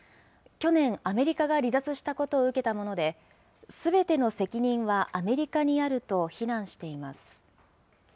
去年、アメリカが離脱したことを受けたもので、すべての責任はアメリカにあると非難しています。